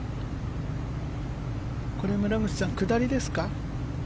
これ、村口さん下りですか？